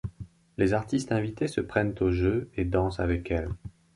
Les artistes invités se prennent au jeu et dansent avec elle.